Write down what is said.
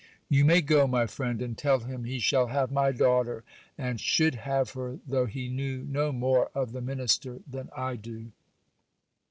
You may go, my friend, and tell him he shall have my daughter, and should have her though he knew no more of the minister than I do.